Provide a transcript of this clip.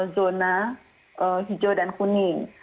zona hijau dan kuning